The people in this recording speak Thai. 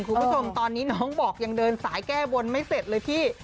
คุณผู้ชมตอนนี้น้องบอกยังเดินสายแก้บนไม่เสร็จเลยพี่